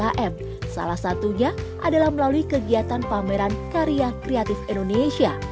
akses pasar bagi umkm salah satunya adalah melalui kegiatan pameran karya kreatif indonesia